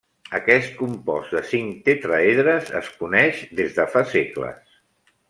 Aquest compost de cinc tetràedres es coneix des de fa segles.